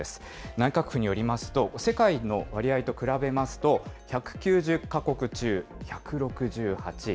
内閣府によりますと、世界の割合と比べますと、１９０か国中１６８位。